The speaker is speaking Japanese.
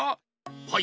はい。